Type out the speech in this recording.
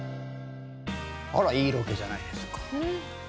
あらいいロケじゃないですか。